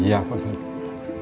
iya pak ustadz